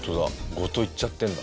ごといっちゃってんだ。